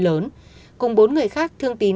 lớn cùng bốn người khác thương tín